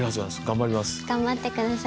頑張って下さい。